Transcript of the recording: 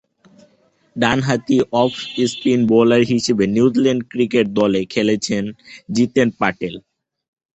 ডানহাতি off spin bowler হিসেবে New Zealand cricket দলে খেলেছেন জিতেন প্যাটেল।